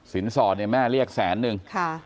สินสอร์ทเนี่ยแม่เรียกแสนหนึ่ง